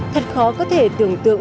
thật khó có thể tưởng tượng